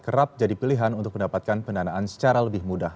kerap jadi pilihan untuk mendapatkan pendanaan secara lebih mudah